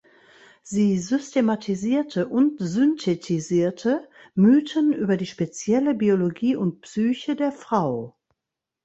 Sie systematisierte und synthetisierte Mythen über die spezielle Biologie und Psyche der Frau.